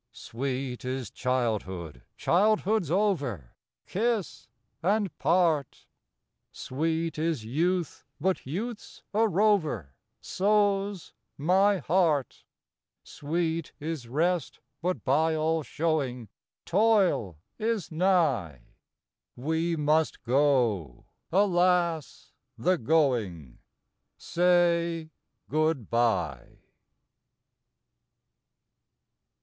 Sweet is childhood — childhood's over, Kiss and part. Sweet is youth ; but youth's a rover — So's my heart. Sweet is rest; but by all showing Toil is nigh. We must go. Alas ! the going. Say " Good bye."